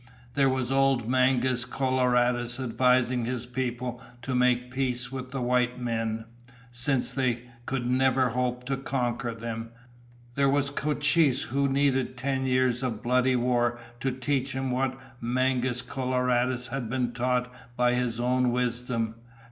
There was old Mangus Coloradus advising his people to make peace with the white men, since they could never hope to conquer them. There was Cochise, who had needed ten years of bloody war to teach him what Mangus Coloradus had been taught by his own wisdom.